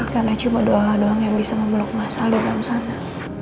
karena cuma doa doang yang bisa memblok masalah di dalam sana